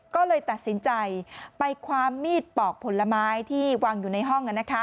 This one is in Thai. ก็เลยตัดสินใจไปคว้ามีดปอกผลไม้ที่วางอยู่ในห้อง